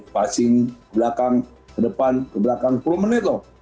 pasing ke belakang ke depan ke belakang sepuluh menit lho